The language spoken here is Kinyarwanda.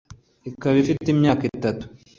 ikaba ifite imyaka itatu